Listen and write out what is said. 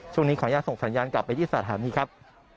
ขออนุญาตส่งสัญญาณกลับไปที่สถานีครับ